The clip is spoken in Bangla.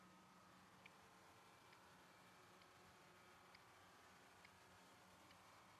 ওরা শুধু ওদের তথাকথিত সুপারহিরোগুলোকে দেখতে চায়।